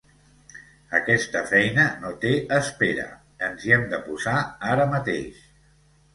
Aquesta feina no té espera: ens hi hem de posar ara mateix.